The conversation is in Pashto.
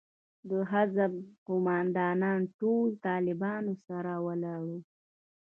د حزب قومندانان ټول له طالبانو سره ولاړ وو.